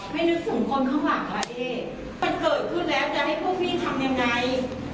นึกถึงคนข้างหลังอ่ะพี่มันเกิดขึ้นแล้วจะให้พวกพี่ทำยังไง